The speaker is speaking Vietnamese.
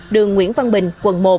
đường nguyễn văn bình quận một